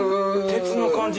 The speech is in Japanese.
鉄の感じ